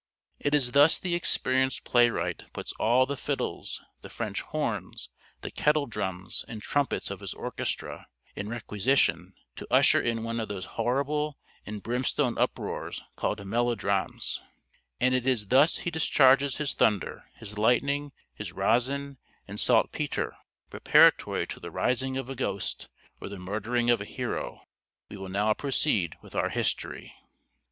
It is thus the experienced playwright puts all the fiddles, the French horns, the kettle drums, and trumpets of his orchestra, in requisition, to usher in one of those horrible and brimstone uproars called melodrames; and it is thus he discharges his thunder, his lightning, his rosin, and saltpetre, preparatory to the rising of a ghost, or the murdering of a hero. We will now proceed with our history.